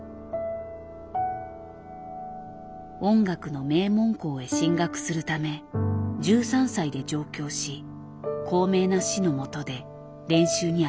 音楽の名門高へ進学するため１３歳で上京し高名な師のもとで練習に明け暮れた。